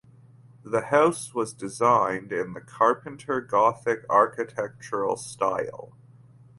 The house was designed in the Carpenter Gothic architectural style.